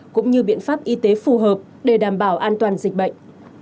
cũng như biện pháp y tế phù hợp để đảm bảo an toàn dịch bệnh